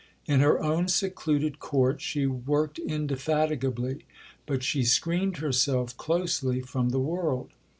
In her own secluded court she worked indefatigably, but she screened herself closely from the world.